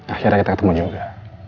akhirnya kita ketemu juga